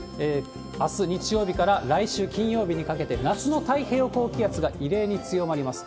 あす日曜日から来週金曜日にかけて、夏の太平洋高気圧が異例に強まります。